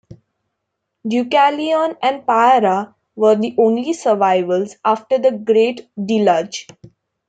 Deucalion and Pyrrha were the only survivals after the great deluge.